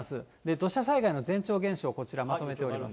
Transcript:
土砂災害の前兆現象、こちら、まとめております。